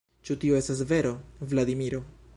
Ĉu tio estas vero, Vladimiro?